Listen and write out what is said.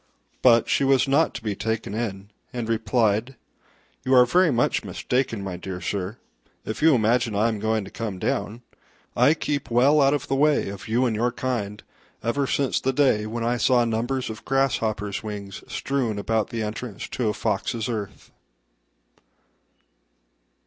But she was not to be taken in, and replied, "You are very much mistaken, my dear sir, if you imagine I am going to come down: I keep well out of the way of you and your kind ever since the day when I saw numbers of grasshoppers' wings strewn about the entrance to a fox's earth."